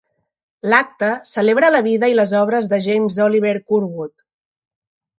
L'acte celebra la vida i les obres de James Oliver Curwood.